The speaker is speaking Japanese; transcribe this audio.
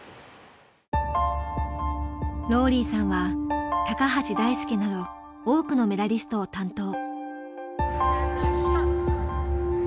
ローリーさんは橋大輔など多くのメダリストを担当。